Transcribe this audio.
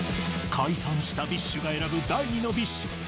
解散したＢｉＳＨが選ぶ第２のＢｉＳＨ。